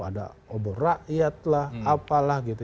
ada obor rakyat lah apalah gitu